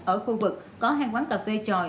ở khu vực có hai quán cà phê tròi